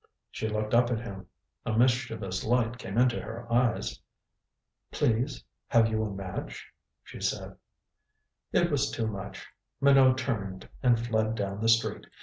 She looked up at him. A mischievous light came into her eyes. "Please have you a match?" she asked. It was too much. Minot turned and fled down the street.